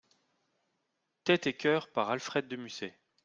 Tête et Coeur, par Alfred de Musset.